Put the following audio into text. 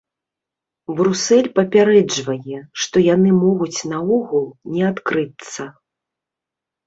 Брусэль папярэджвае, што яны могуць наогул не адкрыцца.